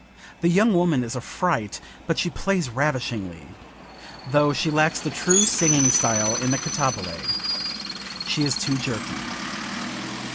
The young woman is a fright, but she plays ravishingly, though she lacks the true singing style in the cantabile; she is too jerky."